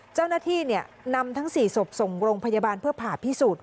เจ้าหน้าที่นำทั้ง๔ศพส่งโรงพยาบาลเพื่อผ่าพิสูจน์